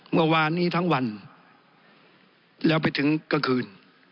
เมื่อวานนี้ทั้งวันแล้วไปถึงกลางคืน